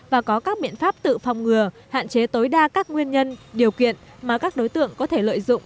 và có các biện pháp tự phòng ngừa hạn chế tối đa các nguyên nhân điều kiện mà các đối tượng có thể lợi dụng